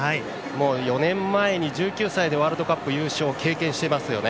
４年前に１９歳でワールドカップ優勝を経験していますよね。